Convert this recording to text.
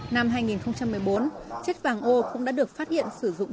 năm hai nghìn một mươi bốn chất vàng ô cũng đã được phát hiện sử dụng trong chăn nuôi tại hải phòng